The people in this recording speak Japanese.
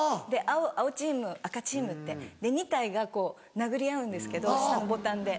青チーム赤チームって２体がこう殴り合うんですけど下のボタンで。